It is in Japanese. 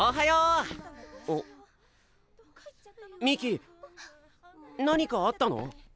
みき何かあったの？